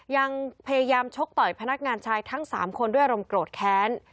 ยังพยายามชกต่อยพนักงานชายทั้ง๓คนด้วยอารมณ์โกรธแค้น